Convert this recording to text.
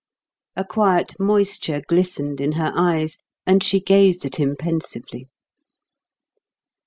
A quiet moisture glistened in her eyes, and she gazed at him pensively.